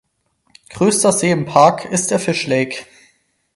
Größter See im Park ist der Fish Lake.